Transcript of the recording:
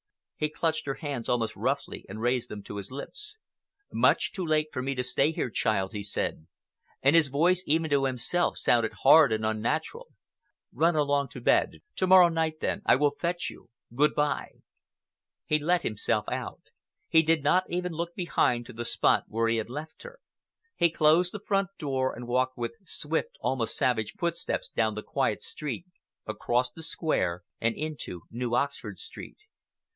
He clutched her hands almost roughly and raised them to his lips. "Much too late for me to stay here, child," he said, and his voice even to himself sounded hard and unnatural. "Run along to bed. To morrow night—to morrow night, then, I will fetch you. Good bye!" He let himself out. He did not even look behind to the spot where he had left her. He closed the front door and walked with swift, almost savage footsteps down the quiet Street, across the Square, and into New Oxford Street.